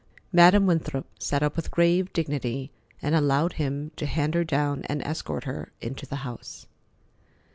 Madam Winthrop sat up with grave dignity, and allowed him to hand her down and escort her into the house.